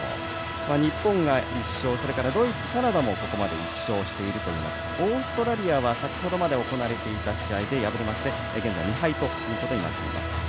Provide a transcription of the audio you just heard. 日本が１勝それからドイツ、カナダもここまで１勝しているという中オーストラリアは先ほどまで行われていた試合で敗れまして現在２敗ということになります。